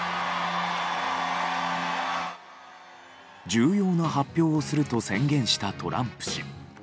重要な発表をすると宣言したトランプ氏。